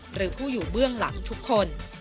หรือผู้อยู่เบื้องหลังทุกคน